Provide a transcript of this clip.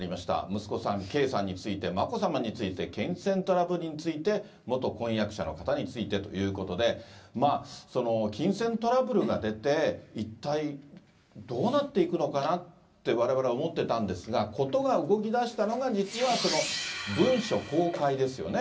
息子さん、圭さんについて、眞子さまについて、金銭トラブルについて、元婚約者の方についてということで、金銭トラブルが出て、一体どうなっていくのかなって、われわれは思ってたんですが、事が動きだしたのが実はその文書公開ですよね。